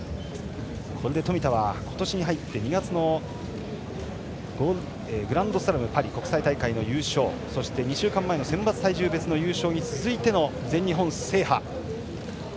これで冨田は今年に入って２月のグランドスラム・パリ国際大会の優勝そして２週間前の選抜体重別の優勝に続いての全日本制覇。